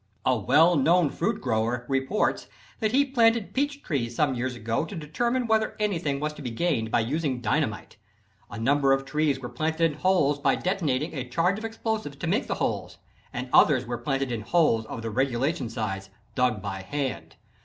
A well known fruit grower reports that he planted peach trees some years ago to determine whether anything was to be gained by using dynamite. A number of trees were planted in holes by detonating a charge of explosives to make the holes, and others were planted in holes of the regulation size, dug by hand.